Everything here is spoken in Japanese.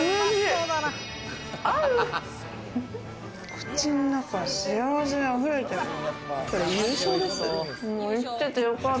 口の中、幸せで溢れてる。